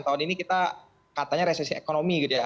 tahun ini kita katanya resesi ekonomi gitu ya